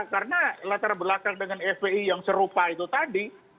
karena latar belakang dengan fpi yang serupa itu tadi